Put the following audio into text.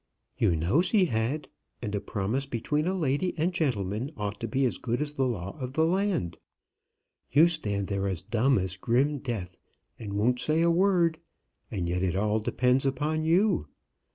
"You knows he had; and a promise between a lady and gentleman ought to be as good as the law of the land. You stand there as dumb as grim death, and won't say a word, and yet it all depends upon you.